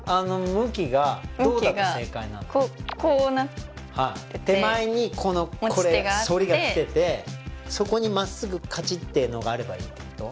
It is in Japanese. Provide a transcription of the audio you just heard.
向きがこうなってて手前にこの反りがきててそこに真っすぐカチッていうのがあればいいってこと？